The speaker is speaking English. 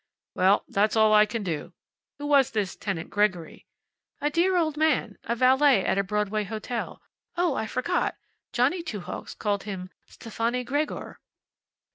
"Well, that's all I can do. Who was this tenant Gregory?" "A dear old man. A valet at a Broadway hotel. Oh, I forgot! Johnny Two Hawks called him Stefani Gregor."